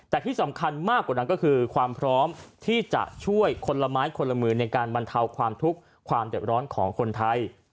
แต่ที่สำคัญมากกว่านั้นก็คือความพร้อมที่จะช่วยคนละไม้คนละมือในการบรรเทาความทุกข์ความเด็ดร้อนของคนไทย